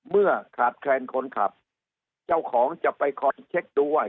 เมื่อขาดแคลนคนขับเจ้าของจะไปคอนเช็คดูว่า